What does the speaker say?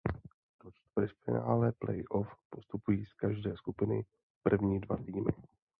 Do čtvrtfinále play off postupují z každé skupiny první dva týmy.